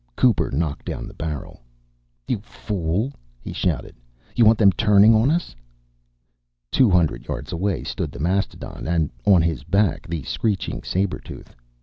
Cooper knocked the barrel down. "You fool!" he shouted. "You want them turning on us?" Two hundred yards away stood the mastodon and, on his back, the screeching saber tooth.